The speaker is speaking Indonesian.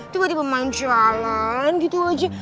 tiba tiba main jalan gitu aja